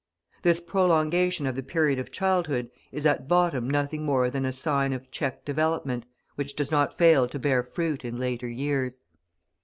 This prolongation of the period of childhood is at bottom nothing more than a sign of checked development, which does not fail to bear fruit in later years.